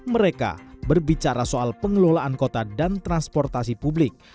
mereka berbicara soal pengelolaan kota dan transportasi publik